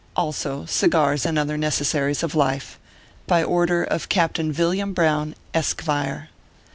Also, cigars and other necessaries of life. By order of CAPTAIN YILLIAM BROWN, Eskevire.